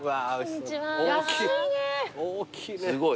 すごい。